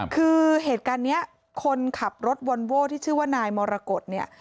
คือเหตุการณ์นี้คนขับรถวอนโว้ที่ชื่อว่านายมรกฏเนี่ย